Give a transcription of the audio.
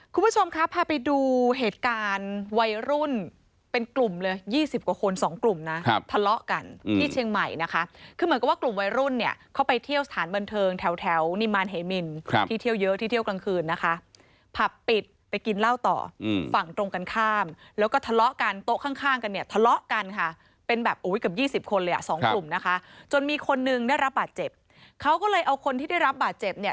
คุณผู้ชมครับพาไปดูเหตุการณ์วัยรุ่นเป็นกลุ่มเลย๒๐กว่าคน๒กลุ่มนะครับทะเลาะกันที่เชียงใหม่นะคะคือเหมือนกับว่ากลุ่มวัยรุ่นเนี่ยเขาไปเที่ยวสถานบนเทิงแถวนิมานเฮมินที่เที่ยวเยอะที่เที่ยวกลางคืนนะคะผับปิดไปกินเหล้าต่อฝั่งตรงกันข้ามแล้วก็ทะเลาะกันโต๊ะข้างกันเนี่ยทะเลาะกันค่ะเป